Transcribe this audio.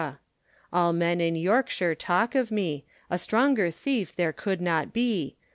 All men in Yorke shire talke of me; A stronger theefe there could not be.